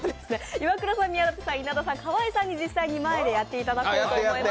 イワクラさん、宮舘さん、河井さんに実際に前でやっていただこうと思います。